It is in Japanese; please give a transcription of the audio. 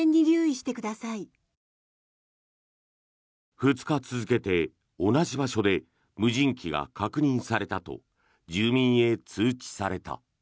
２日続けて同じ場所で無人機が確認されたと住民へ通知された。